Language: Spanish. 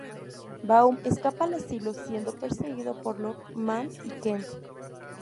Baum escapa al asilo siendo perseguido por Lohmann y Kent.